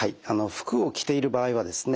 服を着ている場合はですね